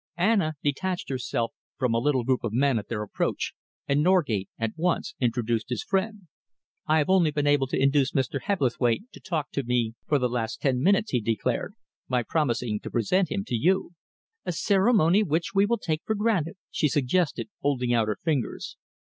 Anna detached herself from a little group of men at their approach, and Norgate at once introduced his friend. "I have only been able to induce Mr. Hebblethwaite to talk to me for the last ten minutes," he declared, "by promising to present him to you." "A ceremony which we will take for granted," she suggested, holding out her fingers.